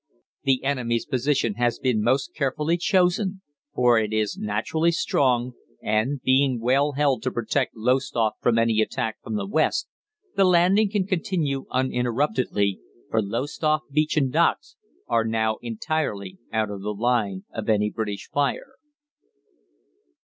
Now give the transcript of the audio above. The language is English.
"The enemy's position has been most carefully chosen, for it is naturally strong, and, being well held to protect Lowestoft from any attack from the west, the landing can continue uninterruptedly, for Lowestoft beach and docks are now entirely out of the line of any British fire.